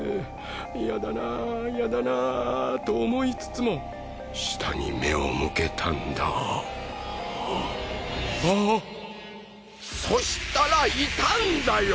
嫌だな嫌だなと思いつつも下に目を向けたんだそしたらいたんだよ